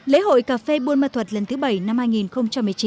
lễ hội cà phê buôn ma thuật lần thứ bảy năm hai nghìn một mươi chín